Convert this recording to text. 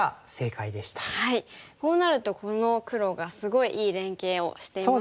こうなるとこの黒がすごいいい連携をしていますよね。